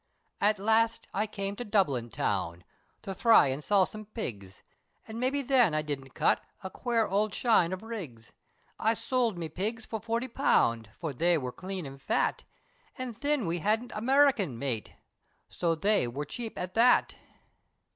At last I came to Dublin town, To thry an' sell some pigs, And maybe then I didn't cut A quare owld shine of rigs. I sowld me pigs for forty pound, For they wor clane an' fat, An' thin we hadn't American mate, So they wor chape at that!